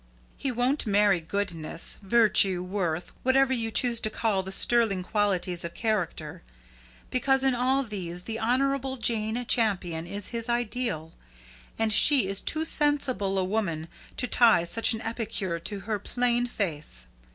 He won't marry goodness virtue worth whatever you choose to call the sterling qualities of character because in all these the Honourable Jane Champion is his ideal, and she is too sensible a woman to tie such an epicure to her plain face.